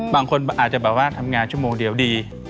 บางคนอาจจะแบบว่าทำงานชั่วโมงเดียวดี